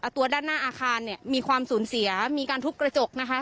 ตัวด้านหน้าอาคารเนี่ยมีความสูญเสียมีการทุบกระจกนะคะ